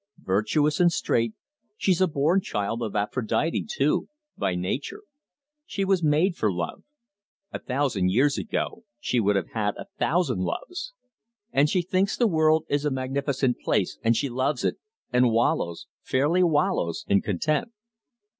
Virtuous and straight, she's a born child of Aphrodite too by nature. She was made for love. A thousand years ago she would have had a thousand loves! And she thinks the world is a magnificent place, and she loves it, and wallows fairly wallows in content.